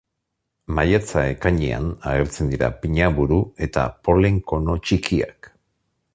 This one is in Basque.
Maiatza-ekainean agertzen dira pinaburu eta polen-kono txikiak.